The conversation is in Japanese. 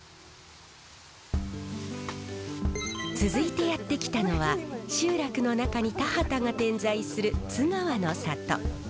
続いてやって来たのは集落の中に田畑が点在する積川の里。